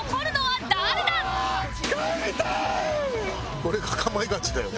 これが『かまいガチ』だよね。